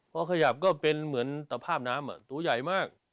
พอขยับก็เป็นเหมือนสภาพน้ำตัวใหญ่มาก